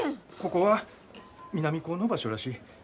ここは南高の場所らしい。